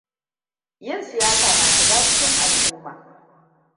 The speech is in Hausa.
Yin siyasa na shiga cikin al'uma.